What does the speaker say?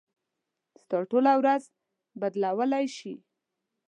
ستا ټوله ورځ بدلولی شي.